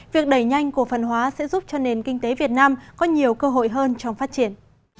việc đẩy nhanh cổ phần hóa sẽ giúp cho nền kinh tế việt nam có nhiều cơ hội hơn trong phát triển